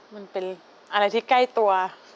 มันเป็นอะไรที่ใกล้ตัว